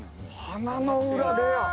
鼻の裏レア！